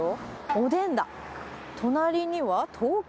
おでんだ。